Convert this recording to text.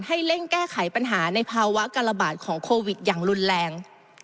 เร่งแก้ไขปัญหาในภาวะการระบาดของโควิดอย่างรุนแรง